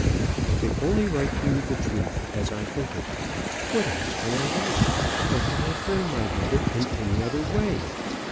I can only write to you the truth, as I think it. What else can I write? How can I frame my letter in any other way?